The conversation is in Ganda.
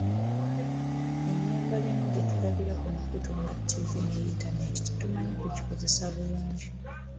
Ennyambala emu gye tulabira ku mikutu nga ttivi ne yintaneeti tetumanyi kugikozesa bulungi.